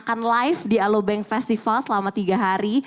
jadi kita ada alobank festival selama tiga hari